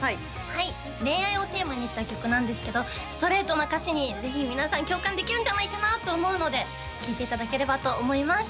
はい恋愛をテーマにした曲なんですけどストレートな歌詞にぜひ皆さん共感できるんじゃないかなと思うので聴いていただければと思います